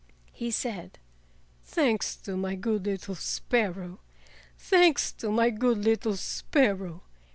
He said: "Thanks to my good little sparrow! Thanks to my good little sparrow!"